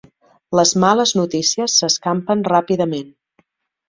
Les males notícies s'escampen ràpidament.